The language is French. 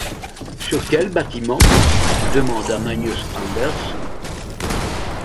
Sur quels bâtiments?... demanda Magnus Anders.